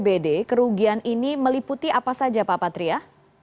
dari hasil asesmen bpbd kerugian ini meliputi apa saja pak patria